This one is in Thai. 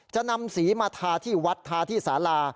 จะนำสีมาทาที่วัดทาที่สารา